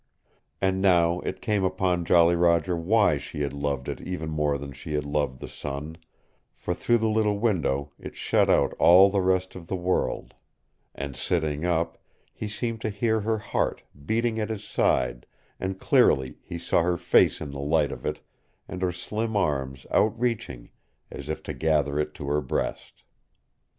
And now it came upon Jolly Roger why she had loved it even more than she had loved the sun; for through the little window it shut out all the rest of the world, and sitting up, he seemed to hear her heart beating at his side and clearly he saw her face in the light of it and her slim arms out reaching, as if to gather it to her breast.